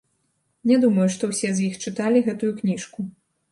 Не думаю, што ўсе з іх чыталі гэтую кніжку.